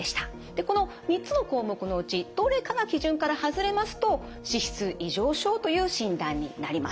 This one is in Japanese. でこの３つの項目のうちどれかが基準から外れますと脂質異常症という診断になります。